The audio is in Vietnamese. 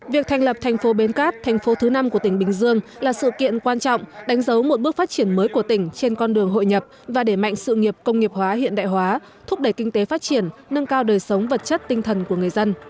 việc thành lập thành phố bến cát thành phố thứ năm của tỉnh bình dương là sự kiện quan trọng đánh dấu một bước phát triển mới của tỉnh trên con đường hội nhập và để mạnh sự nghiệp công nghiệp hóa hiện đại hóa thúc đẩy kinh tế phát triển nâng cao đời sống vật chất tinh thần của người dân